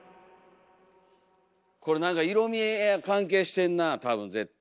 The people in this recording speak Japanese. これ何か色味が関係してんなあ多分絶対。